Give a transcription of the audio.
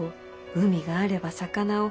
海があれば魚を。